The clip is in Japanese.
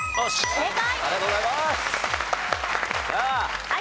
正解！